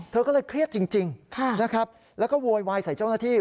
เธอก็เลยเครียดจริงนะครับแล้วก็โวยวายใส่เจ้าหน้าที่